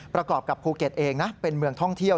ประกอบกับภูเก็ตเองนะเป็นเมืองท่องเที่ยว